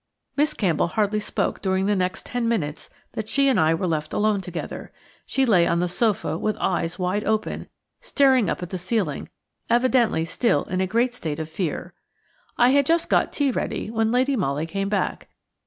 Miss Campbell hardly spoke during the next ten minutes that she and I were left alone together. She lay on the sofa with eyes wide open, staring up at the ceiling, evidently still in a great state of fear. I had just got tea ready when Lady Molly came back.